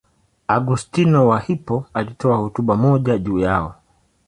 Augustino wa Hippo alitoa hotuba moja juu yao.